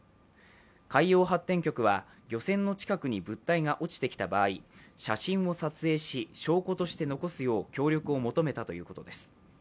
海洋発展局は漁船の近くに物体が落ちてきた場合、写真を撮影し証拠として残すよう協力を求めたということです。